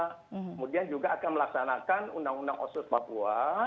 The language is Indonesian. kemudian juga akan melaksanakan undang undang otsus papua